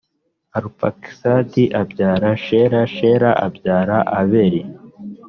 arupakisadi abyara shela shela abyara eberi